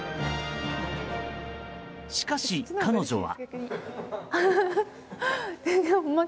しかし、彼女は。